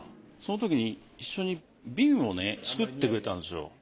そのときに一緒に瓶をね作ってくれたんですよ。